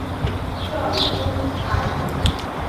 চল, উঠ, আয়।